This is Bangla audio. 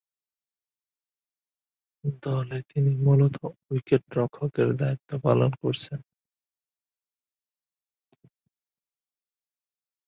দলে তিনি মূলতঃ উইকেট-রক্ষকের দায়িত্ব পালন করছেন।